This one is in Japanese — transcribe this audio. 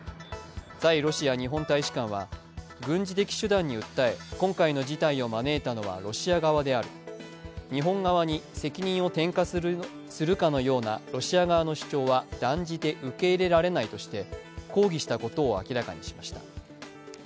在ロシア日本大使館は、軍事的手段に訴え、今回の事態を招いたのはロシア側である日本側に責任を転嫁するかのようなロシア側の主張は断じて受け入れられないとして抗議したことを明らかにしました。